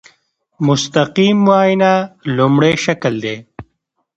مستقیم معاینه لومړی شکل دی.